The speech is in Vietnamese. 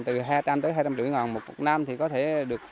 trứng ấp giống cổ nằm trên trái bọt trường